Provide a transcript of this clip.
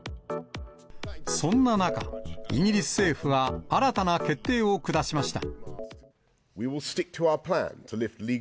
そんな中、イギリス政府は新たな決定を下しました。